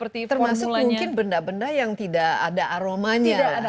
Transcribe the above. termasuk mungkin benda benda yang tidak ada aromanya